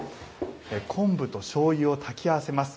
昆布としょうゆを炊き合わせます。